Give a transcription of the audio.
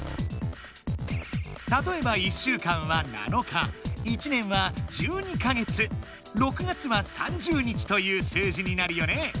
たとえば１週間は７日１年は１２か月６月は３０日という数字になるよね。